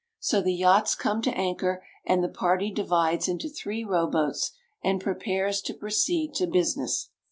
So the yachts come to anchor; and the party divides into the three row boats, and prepares to proceed to business.